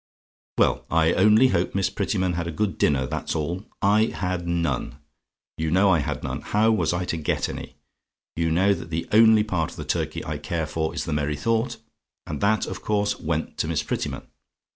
"Well, I only hope Miss Prettyman had a good dinner, that's all. I had none! You know I had none how was I to get any? You know that the only part of the turkey I care for is the merry thought. And that, of course, went to Miss Prettyman.